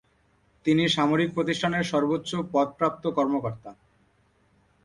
তিনি সামরিক প্রতিষ্ঠানের সর্বোচ্চ পদ প্রাপ্ত কর্মকর্তা।